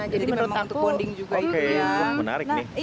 jadi menurut aku oke menarik nih